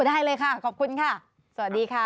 ได้เลยค่ะขอบคุณค่ะสวัสดีค่ะ